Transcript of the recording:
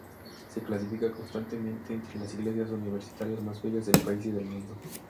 Se clasifica constantemente entre las iglesias universitarias más bellas del país y del mundo.